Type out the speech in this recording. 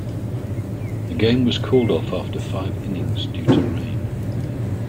The game was called off after five innings due to rain.